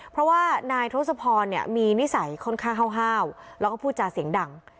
เพราะว่านายทศพรมีนิสัยค่อนข้างห้าวแล้วก็พูดจาเสียงดัง